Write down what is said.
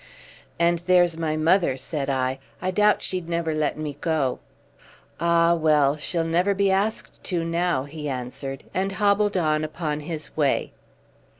"And there's my mother," said I, "I doubt she'd never let me go." "Ah! well, she'll never be asked to now," he answered, and hobbled on upon his way.